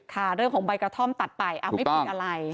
เรื่องของใบกระท่อมตัดไปไม่ผิดอะไร